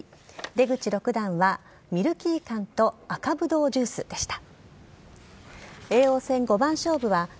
出口六段はミルキー缶と赤ブドウジュースでした。